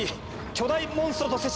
巨大モンストロと接触。